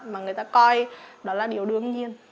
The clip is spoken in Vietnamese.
mà người ta coi đó là điều đương nhiên